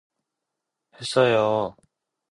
했어요!